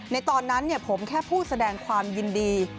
ในตอนนั้นผมแค่ผู้แสดงความยินดี